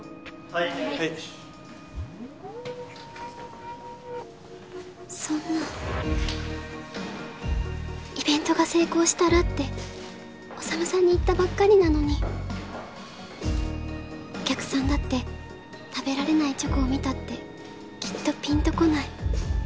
はいそんなイベントが成功したらって宰さんに言ったばっかりなのにお客さんだって食べられないチョコを見たってきっとピンとこない